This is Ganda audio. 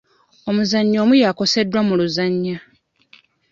Omuzannyi omu yakosebwa mu luzannya.